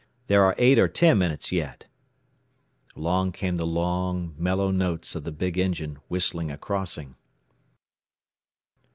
There are eight or ten minutes yet." Again came the long, mellow notes of the big engine, whistling a crossing.